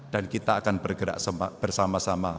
dan kita akan bergerak bersama sama